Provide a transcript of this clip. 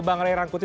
bang rai rangkuti